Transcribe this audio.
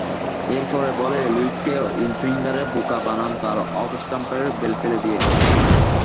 এর পরের বলেই লুইসকে ইনসুইঙ্গারে বোকা বানান তাঁর অফস্টাম্পের বেল ফেলে দিয়ে।